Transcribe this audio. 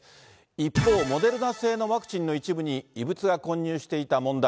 一方、モデルナ製のワクチンの一部に異物が混入していた問題。